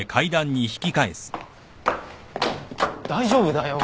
大丈夫だよ。